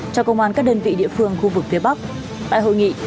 cảm ơn các bạn đã theo dõi